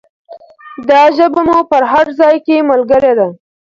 دا ژبه مو په هر ځای کې ملګرې ده.